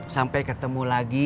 sampai ketemu lagi